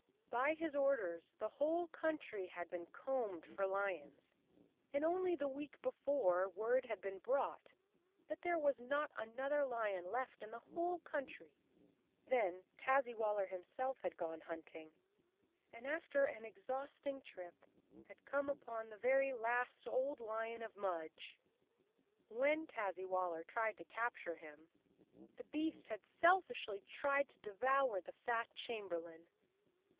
By his orders the whole country had been combed for lions and only the week before word had been brought that there was not another lion left in the whole country. Then Taz zywaller himself had gone hunting, and after an ex 22 Chapter One bausting trip had come upon the very last old lion of Mudge. When Tazzywaller tried to capture him, the beast had selfishly tried to devour the fat chamberlain.